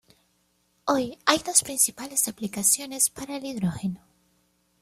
Hoy hay dos principales aplicaciones para el hidrógeno.